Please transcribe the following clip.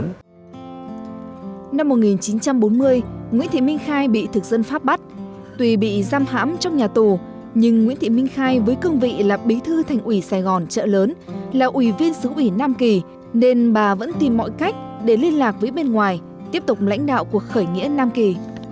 nguyễn thị minh khai bị thực dân pháp bắt tuy bị giam hãm trong nhà tù nhưng nguyễn thị minh khai với cương vị là bí thư thành ủy sài gòn chợ lớn là ủy viên xứ ủy nam kỳ nên bà vẫn tìm mọi cách để liên lạc với bên ngoài tiếp tục lãnh đạo cuộc khởi nghĩa nam kỳ